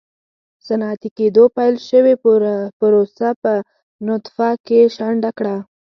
صنعتي کېدو پیل شوې پروسه په نطفه کې شنډه کړه.